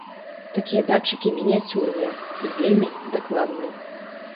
Такія датчыкі мініяцюрныя і вельмі дакладныя.